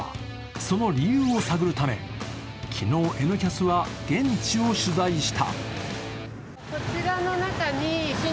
その理由を探るため昨日「Ｎキャス」は現地を取材した。